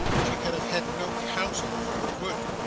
She can have had no counsellor for her good.